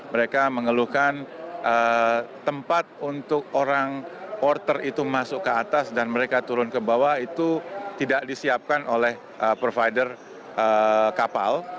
mereka mengeluhkan tempat untuk orang porter itu masuk ke atas dan mereka turun ke bawah itu tidak disiapkan oleh provider kapal